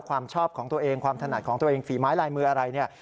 ความชอบของตัวเองความถนัดของตัวเองฝีไม้ลายมืออะไรเนี่ย